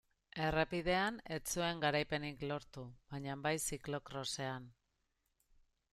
Errepidean ez zuen garaipenik lortu, baina bai ziklo-krosean.